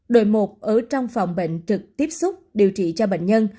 đội một ở trong phòng bệnh trực tiếp xúc điều trị cho bệnh nhân